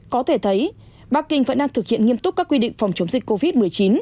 có thể thấy bắc kinh vẫn đang thực hiện nghiêm túc các quy định phòng chống dịch covid một mươi chín